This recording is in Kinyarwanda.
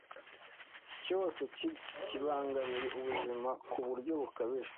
cyose kibangamiye ubuzima ku buryo bukabije